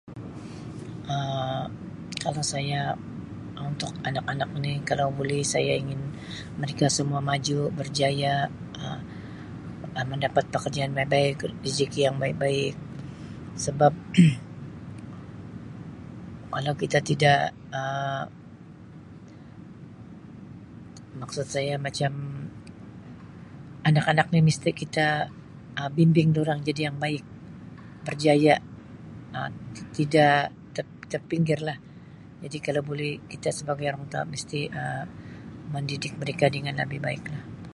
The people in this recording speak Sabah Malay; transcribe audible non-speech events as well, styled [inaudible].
Um Kalau saya Um untuk anak-anak ni kalau buli saya ingin mereka semua maju berjaya Um mendapat [unintelligible] yang baik-baik rezeki yang baik-baik sebab [coughs] kalau kita tidak Um maksud saya macam anak-anak ni mesti kita Um bimbing dorang jadi yang baik berjaya Um tidak ter-terpinggirlah jadi kalau boleh kita sebagai orang tua mesti Um mendidik mereka dengan lebih baik lah.